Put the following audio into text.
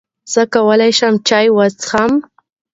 زۀ کولای شم چای وڅښم؟